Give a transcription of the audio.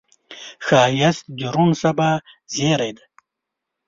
ښایست د روڼ سبا زیری دی